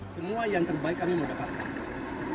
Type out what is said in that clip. semua yang terbaik kami mendapatkan